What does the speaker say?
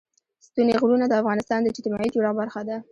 ستوني غرونه د افغانستان د اجتماعي جوړښت برخه ده.